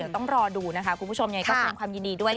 ต้องรอดูนะคะคุณผู้ชมยังไงก็แสดงความยินดีด้วย